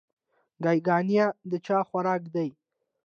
ګياګانې د چا خوراک دے؟